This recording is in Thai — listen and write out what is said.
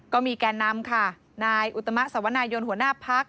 แก่นำค่ะนายอุตมะสวนายนหัวหน้าพัก